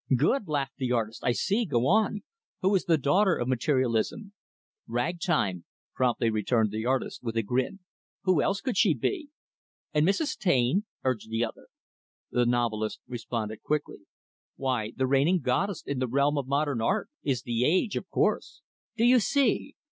"Good!" laughed the artist. "I see; go on. Who is the daughter of 'Materialism?'" "'Ragtime'," promptly returned the novelist, with a grin. "Who else could she be?" "And Mrs. Taine?" urged the other. The novelist responded quickly; "Why, the reigning 'Goddess' in the realm of 'Modern Art,' is 'The Age,' of course. Do you see?